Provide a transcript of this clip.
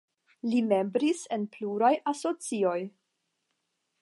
Li membris en pluraj asocioj.